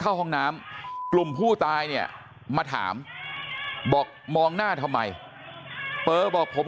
เข้าห้องน้ำกลุ่มผู้ตายเนี่ยมาถามบอกมองหน้าทำไมเปอร์บอกผม